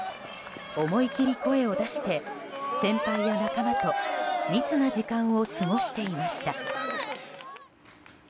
思い切り声を出して先輩や仲間と密な時間を過ごしていました。